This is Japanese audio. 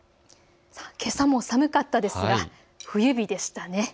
けさも寒かったですが冬日でしたね。